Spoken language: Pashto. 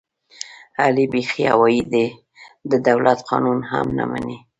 علي بیخي هوایي دی، د دولت قانون هم نه مني.